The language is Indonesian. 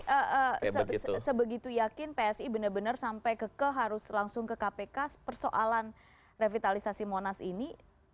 oke sebegitu yakin psi benar benar sampai kekeh harus langsung ke kpk persoalan revitalisasi monas ini